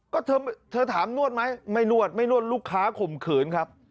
ก็เธอถามนวดไหมไม่นวดไม่นวดลูกค้าข่มขืนครับ